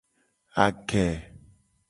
Age.